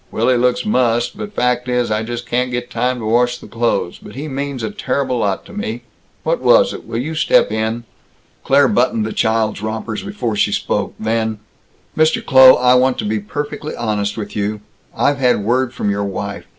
Willy looks mussed, but fact is, I just can't get time to wash the clothes, but he means a terrible lot to me. What was it? Will you step in?" Claire buttoned the child's rompers before she spoke. Then: "Mr. Kloh, I want to be perfectly honest with you. I've had word from your wife.